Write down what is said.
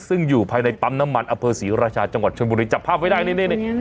ซึ่งอยู่ภายในปั๊มน้ำมันอเภศรีราชาจังหวัดชนบุรีจับภาพไว้ได้นี่